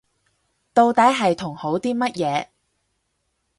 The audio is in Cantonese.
到底係同好啲乜嘢